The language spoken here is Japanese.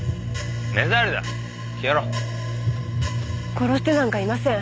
殺してなんかいません。